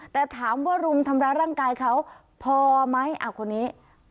แต่ถามว่ารุมทำร้ายร่างกายเขาพอไหมคนนี้